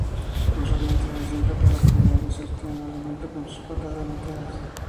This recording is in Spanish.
Usualmente se sienta para comer y sostiene el alimento con sus patas delanteras.